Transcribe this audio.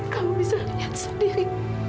kamu bisa liat sendiri